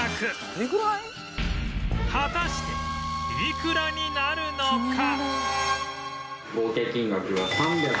果たしていくらになるのか？